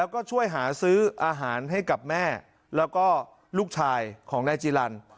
ก็ช่วยหาซื้ออาหารให้กับแม่แล้วก็ลูกชายของนายจีรัน